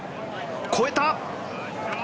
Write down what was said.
越えた！